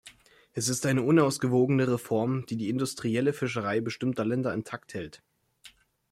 Es ist eine unausgewogene Reform, die die industrielle Fischerei bestimmter Länder intakt hält.